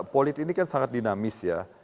politik ini kan sangat dinamis ya